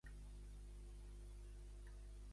Què va ocórrer-li quan tenia dotze anys?